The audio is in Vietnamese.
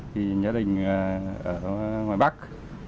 thì gia đình ở ngoài bắc